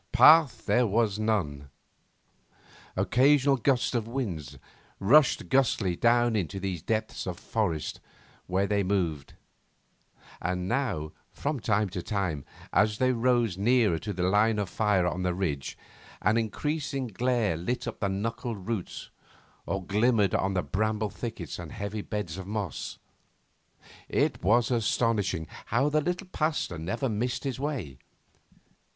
Path there was none. Occasional gusts of wind rushed gustily down into these depths of forest where they moved, and now, from time to time, as they rose nearer to the line of fire on the ridge, an increasing glare lit up the knuckled roots or glimmered on the bramble thickets and heavy beds of moss. It was astonishing how the little Pasteur never missed his way.